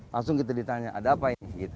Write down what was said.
langsung kita ditanya ada apa ini